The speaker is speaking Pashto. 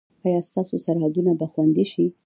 ایا ستاسو سرحدونه به خوندي شي؟